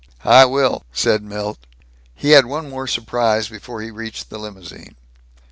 "I will," said Milt. He had one more surprise before he reached the limousine.